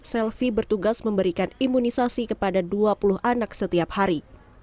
selvi bertugas memberikan imunisasi kepada dua puluh anak setiap hari